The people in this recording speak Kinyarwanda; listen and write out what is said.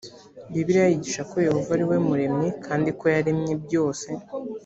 bibiliya yigisha ko yehova ari we muremyi kandi ko yaremye byose